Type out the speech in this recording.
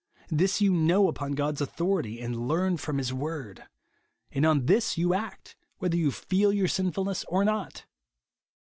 This you know upon God's authority, and learn from his word ; and on this you act, whether you feel your sinfulness or not.